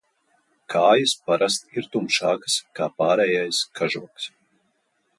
Kājas parasti ir tumšākas kā pārējais kažoks.